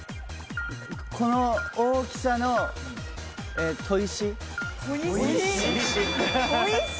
この大きさの砥石。